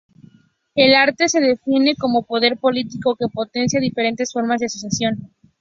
El arte se defiende como poder político, que potencia diferentes formas de asociación.